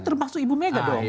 termasuk ibu mega dong